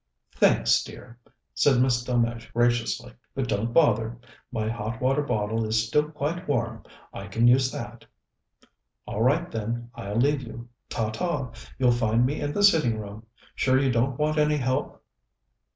"Thanks, dear," said Miss Delmege graciously, "but don't bother. My hot water bottle is still quite warm. I can use that." "All right, then, I'll leave you. Ta ta! You'll find me in the sitting room. Sure you don't want any help?"